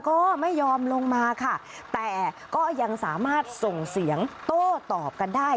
ก็ไม่ยอมลงมาค่ะแต่ก็ยังสามารถส่งเสียงโต้ตอบกันได้